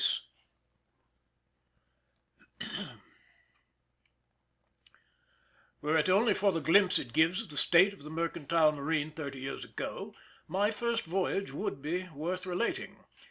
Were it only for the glimpse it gives of the state of the mercantile marine thirty years ago, my first voyage would be worth relating.